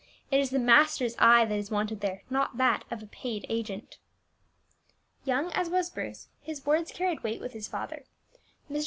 It is the master's eye that is wanted there, not that of a paid agent." Young as was Bruce, his words carried weight with his father. Mr.